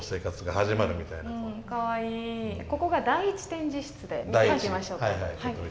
ここが第１展示室で見ていきましょうか。